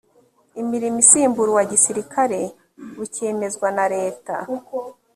imirimo isimbura uwa gisirikare bukemezwa na leta